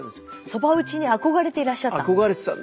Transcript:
そば打ちに憧れていらっしゃった。